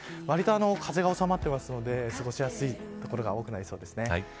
わりと風が収まってますので過ごしやすい所が多くなりそうです。